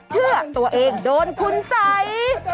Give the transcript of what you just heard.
เชื่อตัวเองโดนขุนใส